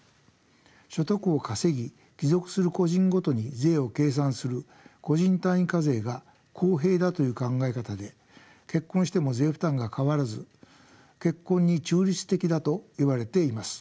所得を稼ぎ帰属する個人ごとに税を計算する個人単位課税が公平だという考え方で結婚しても税負担が変わらず結婚に中立的だといわれています。